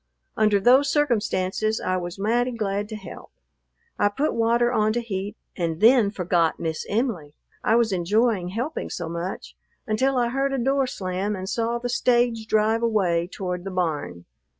Under those circumstances I was mighty glad to help. I put water on to heat and then forgot Miss Em'ly, I was enjoying helping so much, until I heard a door slam and saw the stage drive away toward the barn.